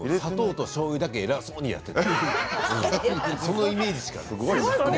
砂糖としょうゆだけをえらそうに入れていた。